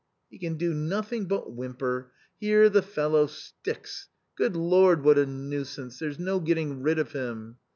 " He can do nothing but whimper ! Here the fellow sticks ! Good Lord, what a nuisance, there's no getting rid of him!"